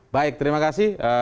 baik terima kasih